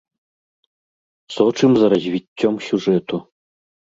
Сочым за развіццём сюжэту.